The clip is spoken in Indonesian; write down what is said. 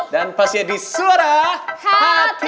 dan pastinya di suara hati